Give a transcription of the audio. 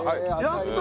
やった！